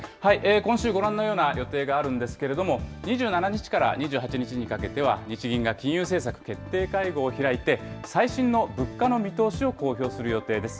今週、ご覧のような予定があるんですけれども、２７日から２８日にかけては、日銀が金融政策決定会合を開いて、最新の物価の見通しを公表する予定です。